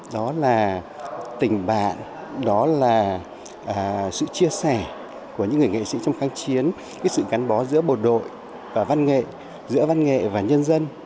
đó là tình bạn đó là sự chia sẻ của những người nghệ sĩ trong kháng chiến sự gắn bó giữa bộ đội và văn nghệ giữa văn nghệ và nhân dân